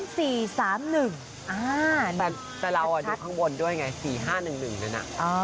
แต่เราดูข้างบนด้วยไง๔๕๑๑นั้น